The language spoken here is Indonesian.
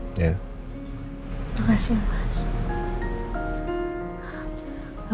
aku juga mau ucapin terima kasih banyak ya pak rendia